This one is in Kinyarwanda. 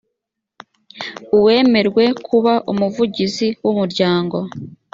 uwemerwe kuba umuvugizi w umuryango